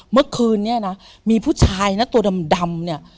เมื่อคืนนี้นะมีผู้ชายนะตัวดำเนี่ย